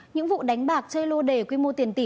những vụ đánh bạc chơi lô đề quy mô tiền tỷ